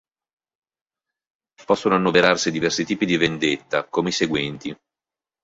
Possono annoverarsi diversi tipi di vendetta, come i seguenti.